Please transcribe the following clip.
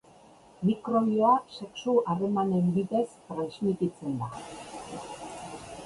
Mikrobioa sexu-harremanen bidez transmititzen da.